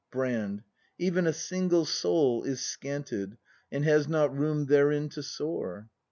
Brand. Even a single soul is scanted. And has not room therein to soar.